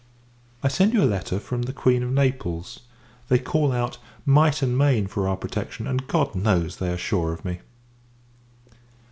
I send you a letter from the Queen of Naples. They call out, might and main, for our protection; and, God knows, they are sure of me.